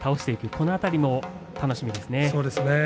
その辺りも楽しみですね。